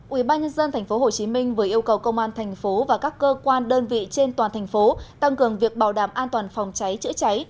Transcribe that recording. ubnd tp hcm vừa yêu cầu công an thành phố và các cơ quan đơn vị trên toàn thành phố tăng cường việc bảo đảm an toàn phòng cháy chữa cháy